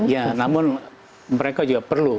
ya namun mereka juga perlu